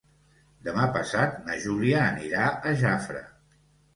Demà passat na Júlia anirà a Jafre.